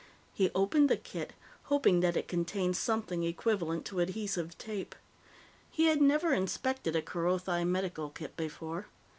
He opened the kit, hoping that it contained something equivalent to adhesive tape. He had never inspected a Kerothi medical kit before.